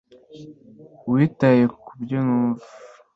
witaye kubyo numva.